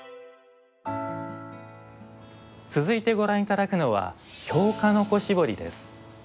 続いてご覧頂くのは京鹿の子絞りです。